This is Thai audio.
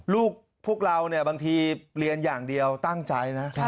พวกเราบางทีเรียนอย่างเดียวตั้งใจนะ